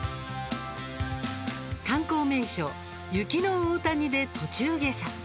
観光名所雪の大谷で途中下車。